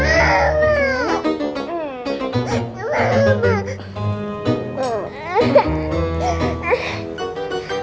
gak mau ganti